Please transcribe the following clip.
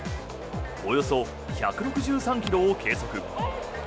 およそ１６３ｋｍを計測。